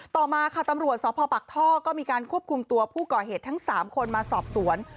ต่อมาค่ะตำรวจสพปักท่อก็มีการควบคุมตัวผู้ก่อเหตุทั้ง๓คนมาสอบสวน